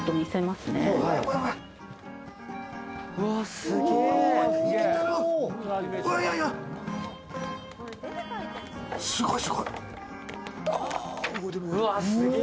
すごいすごい！